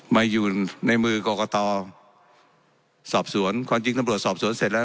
มาอยู่ในมือกรกตสอบสวนความจริงตำรวจสอบสวนเสร็จแล้ว